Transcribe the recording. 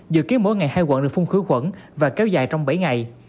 dự kiến mỗi ngày hai quận được phun khử khuẩn và kéo dài trong bảy ngày